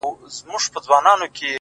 د انتظار خبري ډيري ښې دي ـ